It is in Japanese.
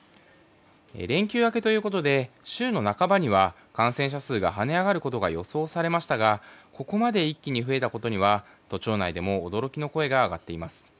連休明けということで週の半ばには感染者数が跳ね上がることが予想されましたが、ここまで一気に増えたことについては都庁内でも驚きの声が上がっています。